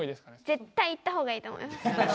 絶対言った方がいいと思います。